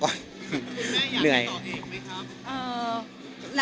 คุณแม่อยากให้ต่อเองมั้ยครับ